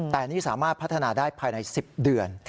แต่นี่สามารถพัฒนาได้ภายใน๑๐เดือน